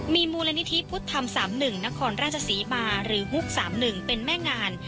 มีมูลนิธิพุทธธรรม๓๑นครราชศรีมาหรือฮุก๓๑เป็นแม่งาน